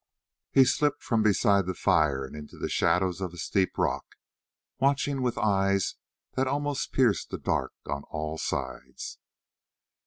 He slipped from beside the fire and into the shadow of a steep rock, watching with eyes that almost pierced the dark on all sides.